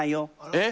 えっ！